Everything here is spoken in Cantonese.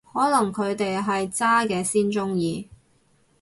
可能佢哋係渣嘅先鍾意